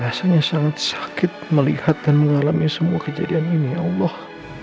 rasanya sangat sakit melihat dan mengalami semua kejadian ini ya allah